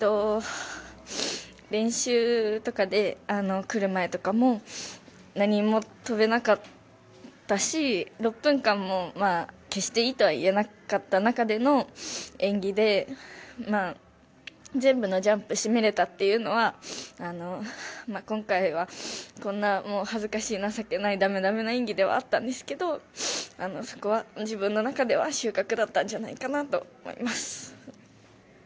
練習とかで、来る前とかも何も跳べなかったし６分間も決していいとは言えなかった中での演技で全部のジャンプを締めれたというのは今回はこんな恥ずかしい情けない駄目駄目な演技ではあったんですけどそこは自分の中では収穫だったんじゃないかと思います。